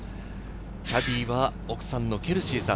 キャディーは奥さんのケルシーさん。